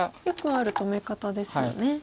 よくある止め方ですよね。